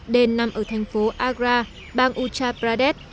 đền nằm ở thành phố agra bang ujjah pradesh